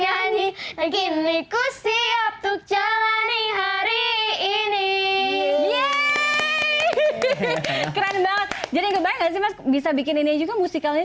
nyanyi begini kusi abduk jalani hari ini ya keren banget jadi kembali bisa bikin ini juga musikalnya